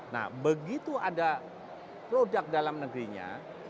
nah begitu ada produk dalam negerinya